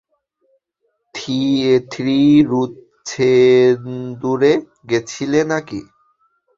থিরুছেন্দুরে গেছিলে নাকি?